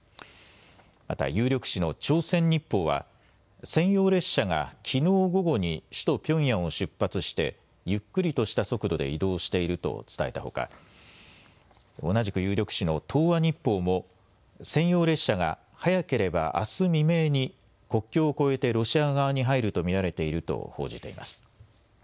また有力紙の朝鮮日報は専用列車がきのう午後に首都ピョンヤンを出発してゆっくりとした速度で移動していると伝えたほか同じく有力紙の東亜日報も専用列車が早ければあす未明に国境を越えてロシア側に入ると見られていると報じています。